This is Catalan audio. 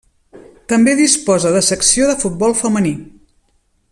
També disposa de secció de futbol femení.